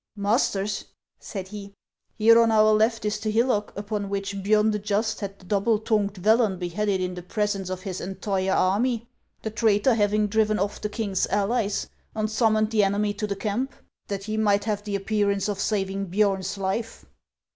"Masters," said he, "here on our left is the hillock upon which Biorn the Just had the double tongued HANS OF ICELAND. 229 Vellon beheaded iii the presence of his entire army, the traitor having driven off the king's allies and summoned the enemy to the camp, that he might have the appear ance of saving Biorn's life."